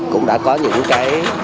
cũng đã có những cái